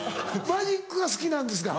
マジックが好きなんですか？